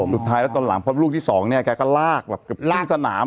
สุดท้ายแล้วตอนหลังเพราะลูกที่๒แกก็ลากแบบเกือบตึ้งสนาม